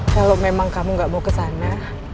kalau memang kamu gak mau ke sana